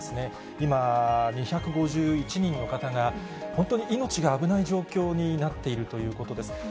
今、２５１人の方が本当に命が危ない状況になっているということです。